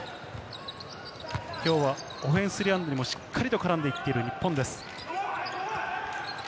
今日はオフェンスリバウンドにもしっかり絡んでいっている日本です。